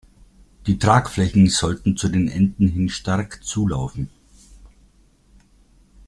Die Tragflächen sollten zu den Enden hin stark zulaufen.